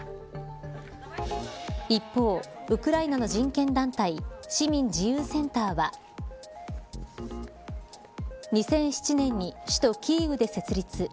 一方、ウクライナの人権団体市民自由センターは２００７年に首都キーウで設立。